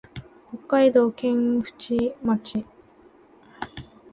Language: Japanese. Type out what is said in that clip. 北海道剣淵町